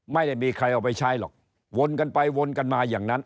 ไม่ได้มีใครเอาไปใช้หรอกวนกันไปวนกันมาอย่างนั้น